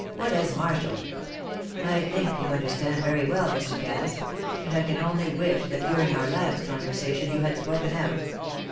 "What has Marshall " "I think you understand very well, Mr. Cass; and I can only wish that during our last conversation you had spoken out.